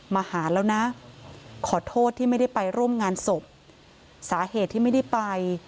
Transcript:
มาหาแล้วนะขอโทษที่ไม่ได้ไปร่วมงานศพสาเหตุที่ไม่ได้ไป